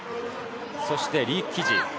そして、リ・キジ。